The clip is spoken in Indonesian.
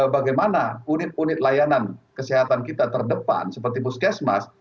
bagaimana unit unit layanan kesehatan kita terdepan seperti puskesmas